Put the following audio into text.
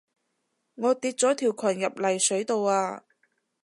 我跌咗條裙入泥水度啊